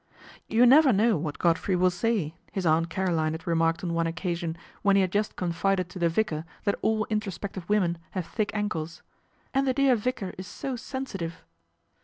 ' You never know what Godfrey will say," his Aunt Caroline had remarked on one occasion when he had just confided to the vicar that all intro spective women have thick ankles, " and the dear vicar is so sensitive."